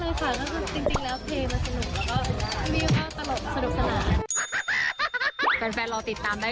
มันคงกังวลค่ะแล้วก็ไปเล่นเรียบร้อยสนุกแล้วก็วีว์ก็ตลอดสนุกระโดย